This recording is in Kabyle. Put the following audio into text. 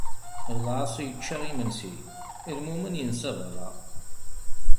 Lεaṣi yečča imensi, lmumen yensa berra.